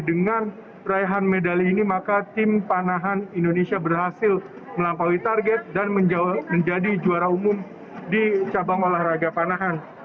dengan raihan medali ini maka tim panahan indonesia berhasil melampaui target dan menjadi juara umum di cabang olahraga panahan